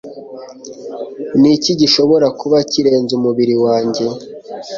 Niki gishobora kuba kirenze umubiri wanjye.